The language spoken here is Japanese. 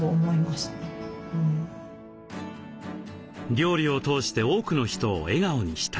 料理を通して多くの人を笑顔にしたい。